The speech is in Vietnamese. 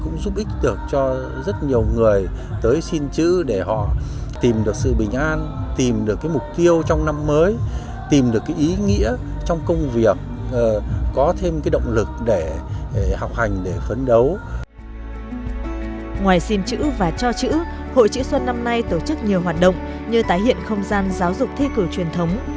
ngoài xin chữ và cho chữ hội chữ xuân năm nay tổ chức nhiều hoạt động như tái hiện không gian giáo dục thi cử truyền thống